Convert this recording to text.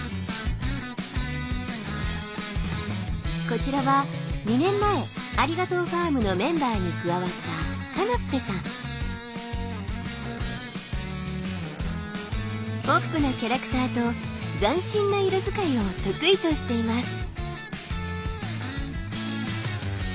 こちらは２年前ありがとうファームのメンバーに加わったポップなキャラクターと斬新な色使いを得意としています。